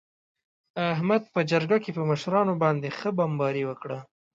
احمد په جرگه کې په مشرانو باندې ښه بمباري وکړه.